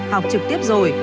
học trực tiếp rồi